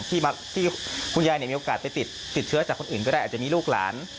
ที่คุณยายจะมีโอกาสติดเชื้อออกมาจากคนอื่นอาจจะมีลูกหลาน